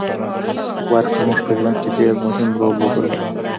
برق زموږ په ژوند کي مهم رول لوبوي